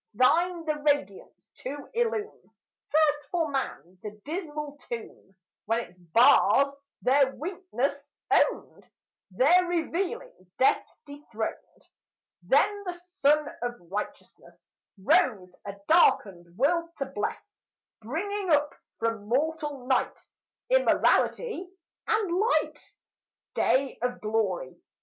Thine the radiance to illume First, for man, the dismal tomb, When its bars their weakness owned, There revealing death dethroned. Then the Sun of righteousness Rose, a darkened world to bless, Bringing up from mortal night, Immortality and light. Day of glory!